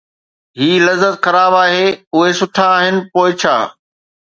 هي لذت خراب آهي، اهي سٺا آهن، پوءِ ڇا!